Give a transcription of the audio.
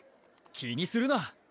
気にするな！